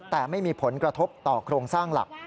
แต่ไม่มีผลกระทบต่อโครงสร้างหลัก